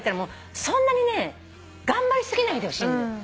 そんなにね頑張り過ぎないでほしい。